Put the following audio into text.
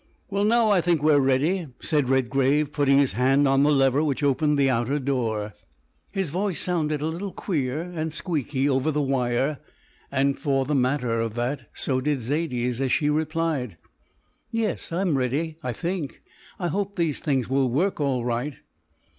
"Well, now I think we're ready," said Redgrave, putting his hand on the lever which opened the outer door. His voice sounded a little queer and squeaky over the wire, and for the matter of that so did Zaidie's as she replied: "Yes, I'm ready, I think. I hope these things will work all right."